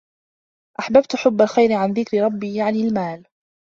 أَحْبَبْتُ حُبَّ الْخَيْرِ عَنْ ذِكْرِ رَبِّي يَعْنِي الْمَالَ